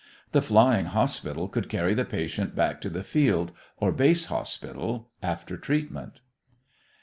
The flying hospital could carry the patient back to the field or base hospital after treatment.